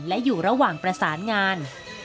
และอยู่ระหว่างประสานงาน